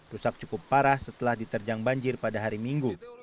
rusak cukup parah setelah diterjang banjir pada hari minggu